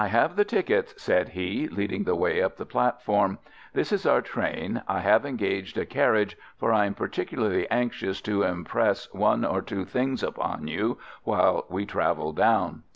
"I have the tickets," said he, leading the way up the platform. "This is our train. I have engaged a carriage, for I am particularly anxious to impress one or two things upon you while we travel down."